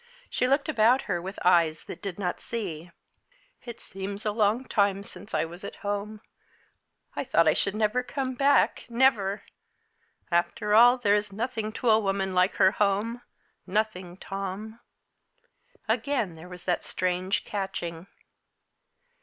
She looked about her with eyes that did not see. "It seems a long time since I was at home. I thought I never should come back never! After all, there's nothing to a woman like her home nothing, Tom." Again there was that strange catching.